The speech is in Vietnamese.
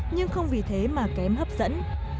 nhưng không vì thế mà kém hấp dẫn